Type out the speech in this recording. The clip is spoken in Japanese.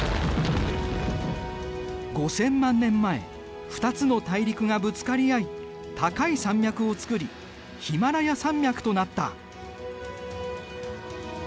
５０００万年前２つの大陸がぶつかり合い高い山脈を作りヒマラヤ山脈となった。